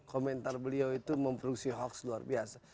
komentar beliau itu memproduksi hoax luar biasa